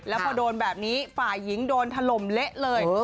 แล้วพอโดนแบบนี้ฝ่ายหญิงโดนถล่มเละเลย